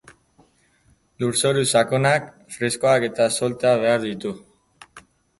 Lurzoru sakonak, freskoak eta solteak behar ditu.